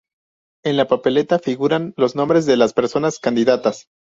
En la papeleta figuran los nombres de las personas candidatas.